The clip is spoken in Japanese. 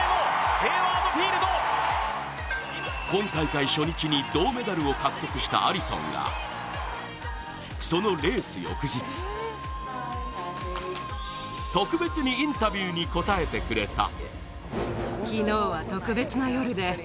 今大会、初日に銅メダルを獲得したアリソンがそのレース翌日特別にインタビューに答えてくれた。